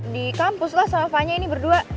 di kampus lah samanya ini berdua